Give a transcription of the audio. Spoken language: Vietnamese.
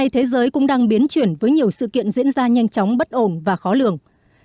thế giới cũng đang biến chuyển với nhiều sự kiện diễn ra nhanh chóng bất ổn và khó lường